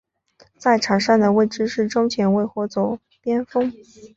在场上的位置是中前卫或左边锋。